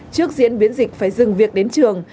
trước diễn biến dịch phải dừng việc đến trường